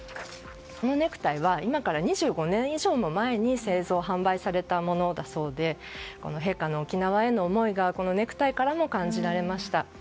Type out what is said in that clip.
このネクタイは今から２５年以上も前に製造・販売されたものだそうで陛下の沖縄への思いがネクタイからも感じられました。